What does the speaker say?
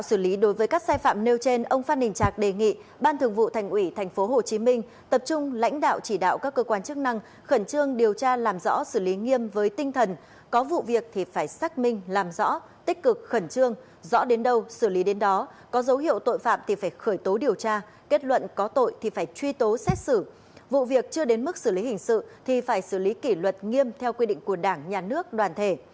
lãnh đạo xử lý đối với các sai phạm nêu trên ông phan đình trạc đề nghị ban thường vụ thành ủy tp hcm tập trung lãnh đạo chỉ đạo các cơ quan chức năng khẩn trương điều tra làm rõ xử lý nghiêm với tinh thần có vụ việc thì phải xác minh làm rõ tích cực khẩn trương rõ đến đâu xử lý đến đó có dấu hiệu tội phạm thì phải khởi tố điều tra kết luận có tội thì phải truy tố xét xử vụ việc chưa đến mức xử lý hình sự thì phải xử lý kỷ luật nghiêm theo quy định của đảng nhà nước đoàn thể